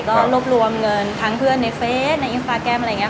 ก็รวบรวมเงินทั้งเพื่อนในเฟสในอินสตาแกรมอะไรอย่างนี้